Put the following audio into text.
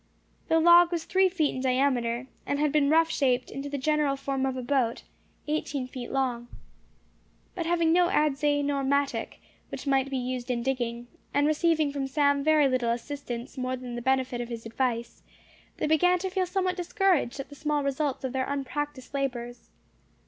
The log was three feet in diameter, and had been rough shaped into the general form of a boat, eighteen feet long. But having no adze, nor mattock, which might be used in digging, and receiving from Sam very little assistance more than the benefit of his advice, they began to feel somewhat discouraged at the small results of their unpractised labours.